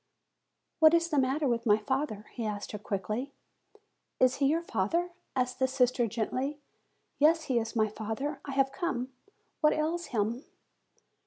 "What is the matter with my father?" he asked her quickly. "Is he your father?" said the sister gently. "Yes, he is my father; I have come. What ails him?"